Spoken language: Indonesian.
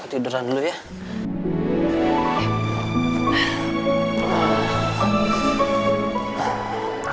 aku tidur dulu sebentar ya